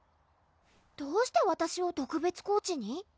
どうしてわたしを特別コーチに？